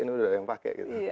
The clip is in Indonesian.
ini udah ada yang pakai gitu